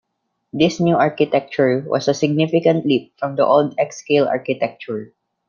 This new architecture was a significant leap from the old Xscale architecture.